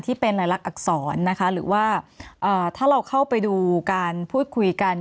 ที่เป็นรายลักษณอักษรนะคะหรือว่าถ้าเราเข้าไปดูการพูดคุยกัน